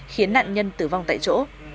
khiến nạn nhân tử vong tại chỗ